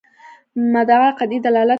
مدعا قطعي دلالت کوي.